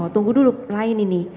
tunggu dulu lain ini